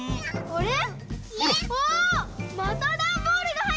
これ。